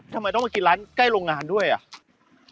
ทำไมต้องมากินร้านใกล้โรงงานด้วยอ่ะ